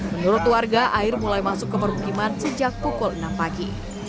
menurut warga air mulai masuk ke permukiman sejak pukul enam pagi